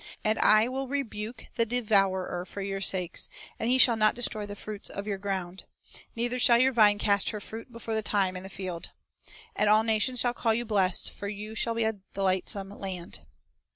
And I will rebuke the devourer for your sakes, and he shall not destroy the fruits of your ground ; neither shall your vine cast her fruit before the time in the field. And all nations shall call you blessed; for ye shall be a delightsome land."